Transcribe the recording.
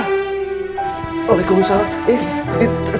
waalaikumsalam terima kasih sekali